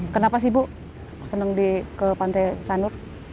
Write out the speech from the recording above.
kenapa sih ibu seneng di pantai sanur